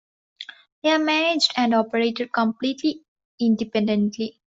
They are managed and operated completely independently.